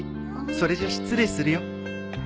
それじゃ失礼するよ。